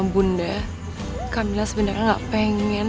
gary suka lewatin kamu aku seams dia jadi keringin